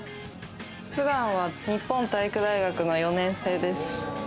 普段は日本体育大学の４年生です。